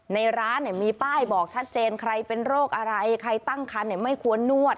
ในร้านมีป้ายบอกชัดเจนใครเป็นโรคอะไรใครตั้งคันไม่ควรนวด